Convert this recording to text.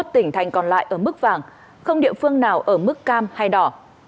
bốn mươi một tỉnh thành phố còn lại ở mức vàng không địa phương nào ở mức cam hay đỏ